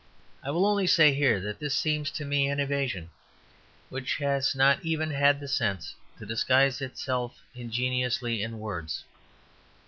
I will only say here that this seems to me an evasion which has not even had the sense to disguise itself ingeniously in words.